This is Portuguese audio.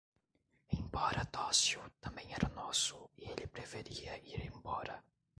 Embora dócil, também era nosso e ele preferia ir embora.